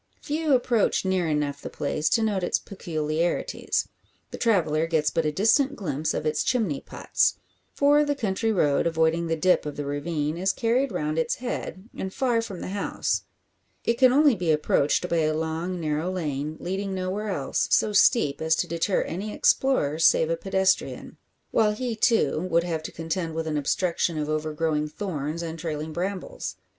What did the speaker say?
Few approach near enough the place to note its peculiarities. The traveller gets but a distant glimpse of its chimney pots; for the country road, avoiding the dip of the ravine, is carried round its head, and far from the house. It can only be approached by a long, narrow lane, leading nowhere else, so steep as to deter any explorer save a pedestrian; while he, too, would have to contend with an obstruction of overgrowing thorns and trailing brambles.